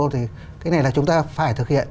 thì cái này là chúng ta phải thực hiện